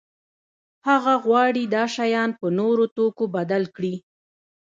هغه غواړي دا شیان په نورو توکو بدل کړي.